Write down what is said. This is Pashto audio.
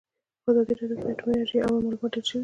په ازادي راډیو کې د اټومي انرژي اړوند معلومات ډېر وړاندې شوي.